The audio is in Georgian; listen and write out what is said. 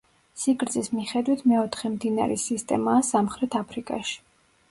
სიგრძის მიხედვით მეოთხე მდინარის სისტემაა სამხრეთ აფრიკაში.